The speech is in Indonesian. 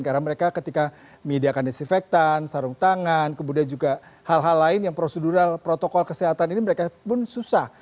karena mereka ketika menyediakan disinfektan sarung tangan kemudian juga hal hal lain yang prosedural protokol kesehatan ini mereka pun susah